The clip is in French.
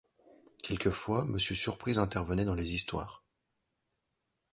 Quelquefois, Monsieur Surprise intervenait dans les histoires.